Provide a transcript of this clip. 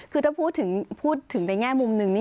คือถ้าพูดถึงในแง่มุมหนึ่งนี่